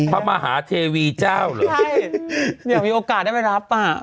พระมหาเทวีเจ้าเหรอใช่เนี่ยมีโอกาสได้ไปรับอ่ะ